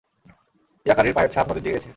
ইয়াকারির পায়ের ছাপ নদীর দিকে গেছে।